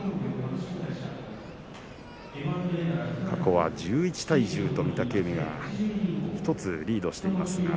過去は１１対１０と御嶽海が１つリードしています。